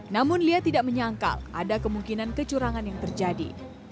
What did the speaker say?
namun lia tidak menyangkal ada kemungkinan kecurangan yang terjadi